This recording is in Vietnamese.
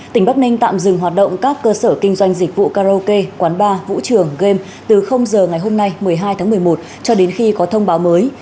tỉnh bắc ninh tạm dừng hoạt động các cơ sở kinh doanh dịch vụ karaoke quán bar vũ trường game từ giờ ngày hôm nay một mươi hai tháng một mươi một cho đến khi có thông báo mới